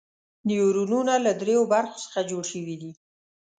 نیورونونه له دریو برخو څخه جوړ شوي دي.